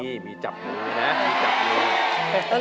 มีมีจับโหลนะมีจับโหล